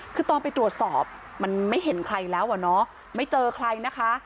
คือตอนไปตรวจสอบมันไม่เห็นใครแล้วอ่ะเนาะไม่เจอใครนะคะ